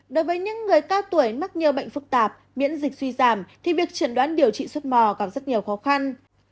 đối với những người cao tuổi mắc nhiều bệnh phức tạp miễn dịch suy giảm thì việc chẩn đoán điều trị xuất mò còn rất nhiều khó khăn